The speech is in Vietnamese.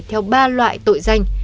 theo ba loại tội danh